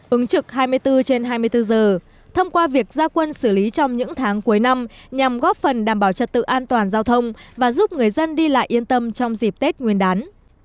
ứng trực hai mươi bốn trên hai mươi bốn giờ thông qua việc gia quân xử lý trong những tháng cuối năm nhằm góp phần đảm bảo trật tự an toàn giao thông và giúp người dân đi lại yên tâm trong dịp tết nguyên đán